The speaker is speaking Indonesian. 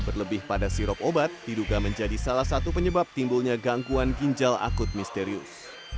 berlebih pada sirop obat diduga menjadi salah satu penyebab timbulnya gangguan ginjal akut misterius